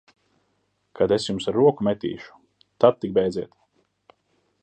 Kad es jums ar roku metīšu, tad tik bēdziet!